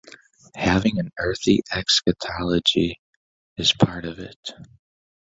"Having an earthy eschatology is part of it."